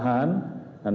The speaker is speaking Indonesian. pertanyaan yang ditahan